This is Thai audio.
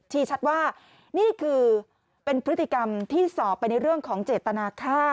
ชัดว่านี่คือเป็นพฤติกรรมที่สอบไปในเรื่องของเจตนาค่า